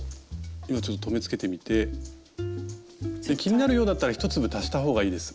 今ちょっと留めつけてみて気になるようだったら１粒足した方がいいです